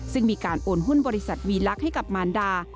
ซึ่งมีการโอนหุ้นบริษัทวีลักษณ์ให้กับมารดา